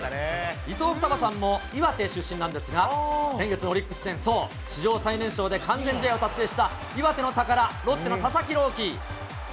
伊藤ふたばさんも岩手出身なんですが、先月のオリックス戦、そう、史上最年少で完全試合を達成した、岩手の宝、ロッテの佐々木朗希。